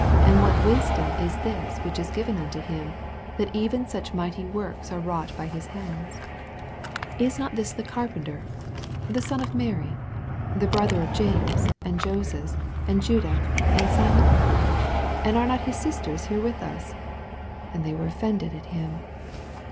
and what wis dom is this which is given unto him, that even euch mighty works are wrought by his hands ? 3 Is not this the carpenter, the son of Mary, the brother of James, and Joses, and of Juda, and Simon? and are not his sisters bore with us ? And they were offended ut him.